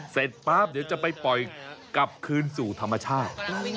ป๊าบเดี๋ยวจะไปปล่อยกลับคืนสู่ธรรมชาติ